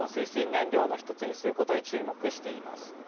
燃料の一つにすることに注目しています。